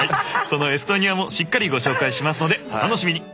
そのエストニアもしっかりご紹介しますのでお楽しみに！